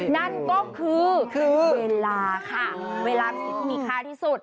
นั่นก็คือเวลาค่ะเวลาสิ่งที่มีค่าที่สุด